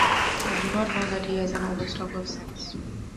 I do not know that he has an overstock of sense.